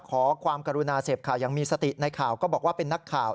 ขอความกรุณาเสพข่าวยังมีสติในข่าวก็บอกว่าเป็นนักข่าว